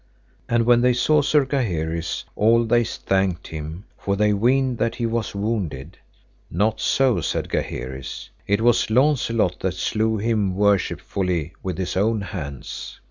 And when they saw Sir Gaheris, all they thanked him, for they weened that he was wounded. Not so, said Gaheris, it was Launcelot that slew him worshipfully with his own hands.